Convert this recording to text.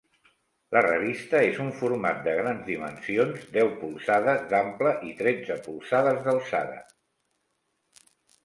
La revista és un format de grans dimensions-deu polzades d'ample i tretze polzades d'alçada.